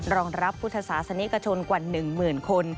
รองรับพุทธศาสนิกชนกว่า๑หมื่นคน